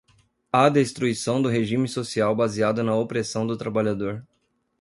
à destruição do regime social baseado na opressão do trabalhador